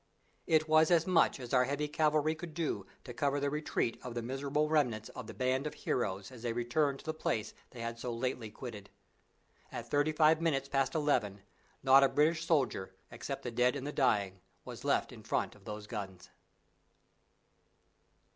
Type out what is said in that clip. It was as much as our heavy cavalry could do to cover the retreat of the miserable remnants of the band of heroes as they returned to the place they had so lately quitted. At thirty five minutes past eleven not a British soldier, except the dead and the dying, was left in front of those guns.